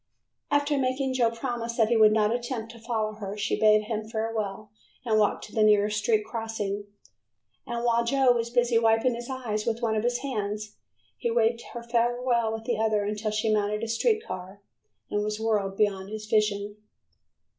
After making Joe promise that he would not attempt to follow her, she bade him farewell and walked to the nearest street crossing, and while Joe was busy wiping his eyes with one of his hands, he waved her farewell with the other until she mounted a street car and was whirled beyond his vision.